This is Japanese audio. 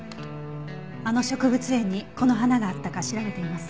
あの植物園にこの花があったか調べてみます。